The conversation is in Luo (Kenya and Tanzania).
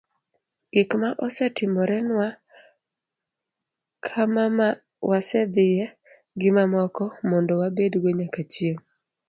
gik ma osetimorenwa, kama ma wasedhiye, gi mamoko, mondo wabedgo nyaka chieng'